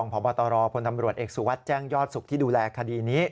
พบตรพลตำรวจเอกสุวัสดิ์แจ้งยอดสุขที่ดูแลคดีนี้